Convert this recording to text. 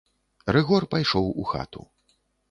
Рыгор пайшоў у хату.